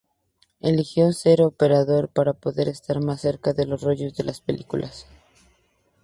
Eligió ser operador para poder estar más cerca de los rollos de las películas.